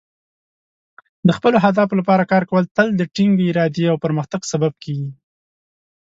د خپلو اهدافو لپاره کار کول تل د ټینګې ارادې او پرمختګ سبب کیږي.